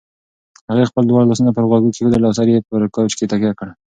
هغې خپل دواړه لاسونه پر غوږونو کېښودل او سر یې پر کوچ تکیه کړ.